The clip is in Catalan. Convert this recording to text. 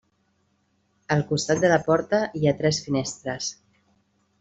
Al costat de la porta hi ha tres finestres.